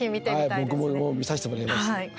僕も見させてもらいます。